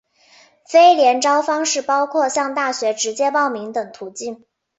非联招方式包括向大学直接报名等途径。